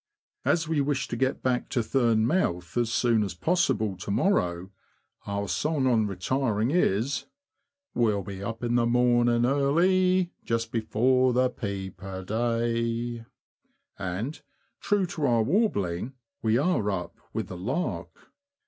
As we wish to get back to Thurne Mouth as soon as possible to morrow, our song on retiring is :— We'll be up in the morning early, Just before the peep o' day; and, true to our warbHng, we are up with the lark.